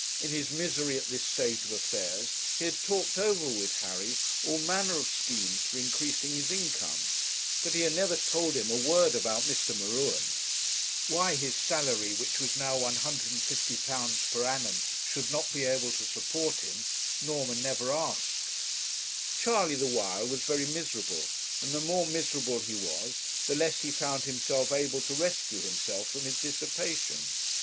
In his misery at this state of affairs, he had talked over with Harry all manner of schemes for increasing his income, but he had never told him a word about Mr. M'Ruen. Why his salary, which was now £150 per annum, should not be able to support him, Norman never asked. Charley the while was very miserable, and the more miserable he was, the less he found himself able to rescue himself from his dissipation.